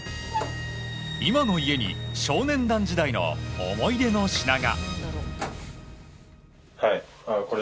今の家に少年団時代の思い出の品が。